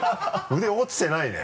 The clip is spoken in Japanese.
腕落ちてないね。